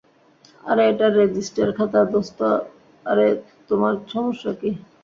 আরে, এটা রেজিস্টার খাতা, দোস্ত আরে তোমার সমস্যা কি?